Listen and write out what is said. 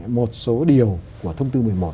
một số điều của thông tư một mươi một